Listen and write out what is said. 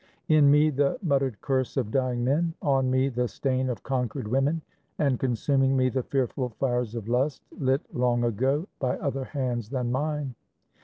In me the muttered curse of dying men, On me the stain of conquered women, and Consuming me the fearful fires of lust, Lit long ago, by other hands than mine.